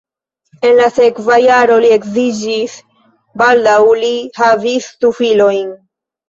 En la sekva jaro li edziĝis, baldaŭ li havis du filojn.